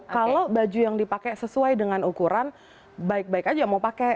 kalau baju yang dipakai sesuai dengan ukuran baik baik aja mau pakai